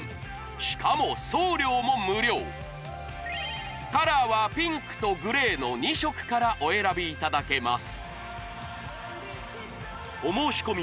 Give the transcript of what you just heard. しかも送料も無料カラーはピンクとグレーの２色からお選びいただけます